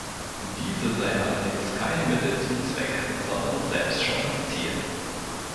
Diese sei allerdings kein Mittel zum Zweck, sondern selbst schon das Ziel.